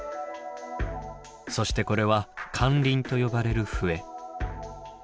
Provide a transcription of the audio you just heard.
そしてこれは「カンリン」と呼ばれる笛。